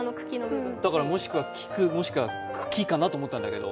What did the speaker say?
だからもしくは茎かなと思ったんだけど。